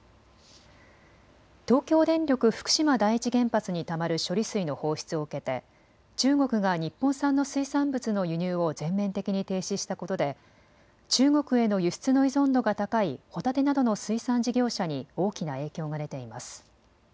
東京電力福島第一原発にたまる処理水の放出を受けて中国が日本産の水産物の輸入を全面的に停止したことで中国への輸出の依存度が高いホタテなどの水産事業者に大きな影響が出ています。